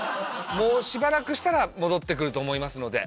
もうしばらくしたら戻って来ると思いますので。